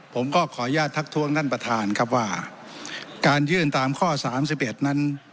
ผมก็ขออนุญาตทักทวงท่านประธานครับว่าการยื่นตามข้อสามสิบเอ็ดนั้น